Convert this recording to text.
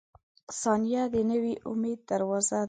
• ثانیه د نوي امید دروازه ده.